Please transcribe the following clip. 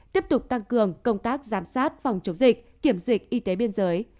tiếp tục tăng cường công tác giám sát phòng chống dịch kiểm dịch y tế biên giới